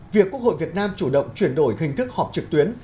việc quốc hội việt nam chủ động chuyển đổi hình thức họp trực tuyến